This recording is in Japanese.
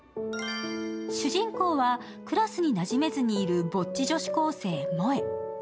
主人公はクラスになじめずにいるぼっち女子高生・萌衣。